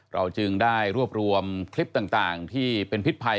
เราจึงได้รวบรวมคลิปต่างที่เป็นพิษภัย